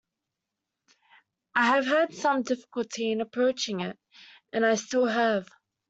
I have had some difficulty in approaching it, and I still have.